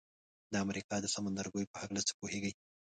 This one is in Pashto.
د امریکا د سمندرګیو په هکله څه پوهیږئ؟